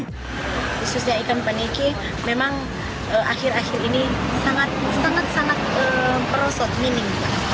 khususnya ikan paniki memang akhir akhir ini sangat sangat merosot minim